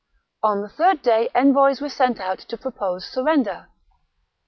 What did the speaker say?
On the third day envoys were sent out to propose surrender.